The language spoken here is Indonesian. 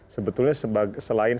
sebetulnya selain sebagiannya